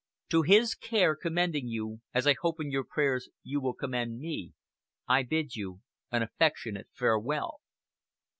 To His care commending you, as I hope in your prayers you will commend me, I bid you an affectionate farewell."